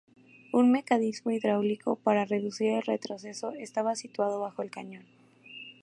Un mecanismo hidráulico para reducir el retroceso estaba situado bajo el cañón.